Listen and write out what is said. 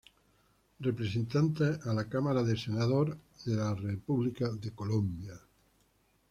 Representante a la Cámara y Senador de la República de Colombia.